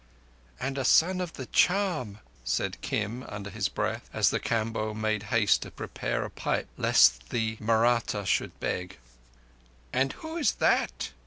"And a Son of the Charm," said Kim under his breath, as the Kamboh made haste to prepare a pipe lest the Mahratta should beg. "And who is _that?